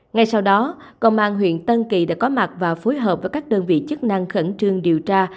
ngay sau đó công an huyện tân kỳ đã có mặt và phối hợp với các đơn vị chức năng khẩn trương điều tra